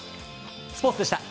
スポーツでした。